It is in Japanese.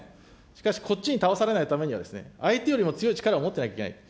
しかし、こっちに倒されないためには、相手よりも強い力を持ってなきゃいけない。